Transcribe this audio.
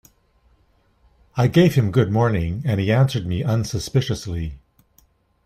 I gave him good morning and he answered me unsuspiciously.